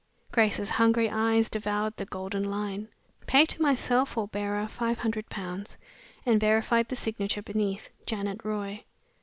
Grace's hungry eyes devoured the golden line, "Pay to myself or bearer five hundred pounds," and verified the signature beneath, "Janet Roy."